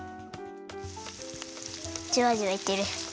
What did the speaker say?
じゅわじゅわいってる。